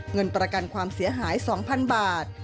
เงินประกันความเสียหาย๒๐๐๐บาท